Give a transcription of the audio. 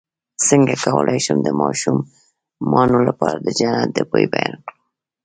څنګه کولی شم د ماشومانو لپاره د جنت د بوی بیان کړم